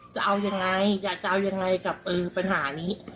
จะเอายังไงอยากจะเอายังไงกับปัญหานี้